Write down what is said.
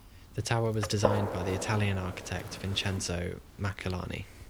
The tower was designed by the Italian architect Vincenzo Maculani.